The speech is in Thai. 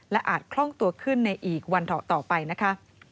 อาจคล่องตัวขึ้นในอีกวันต่อไปนะคะ